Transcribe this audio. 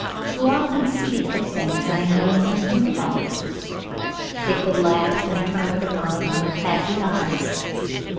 You often speak of things I know nothing about." David laughed and turned upon her happy eyes.